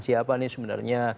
siapa nih sebenarnya